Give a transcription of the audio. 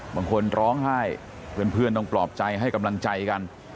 บางคนร้องไห้เพื่อนต้องปลอบใจให้กำลังใจกัน